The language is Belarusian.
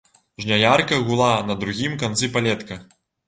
Жняярка гула на другім канцы палетка.